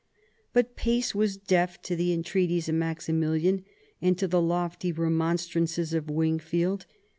But Pace was deaf to the entreaties of Maximilian and to the lofty remonstrances of Wingfield.